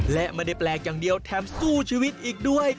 และไม่ได้แปลกอย่างเดียวแถมสู้ชีวิตอีกด้วย